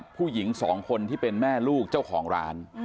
ผู้หญิงสองคนที่เป็นแม่ลูกเจ้าของร้าน